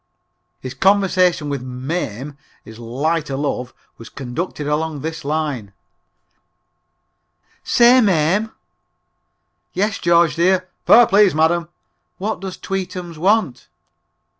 His conversation with "Mame," his light o' love, was conducted along this line: "Say, Mame." "Yes, George, dear (fare, please, madam). What does tweetums want?"